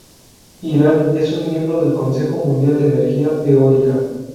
Irán es un miembro del Consejo Mundial de Energía Eólica.